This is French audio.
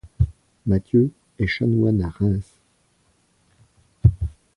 Mathieu est chanoine à Reims.